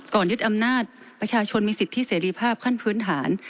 ยึดอำนาจประชาชนมีสิทธิเสรีภาพขั้นพื้นฐาน